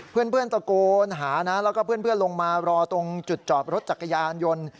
เพื่อนตะโกนหานะแล้วก็เพื่อนลงมารอตรงจุดจอดรถจักรยานยนต์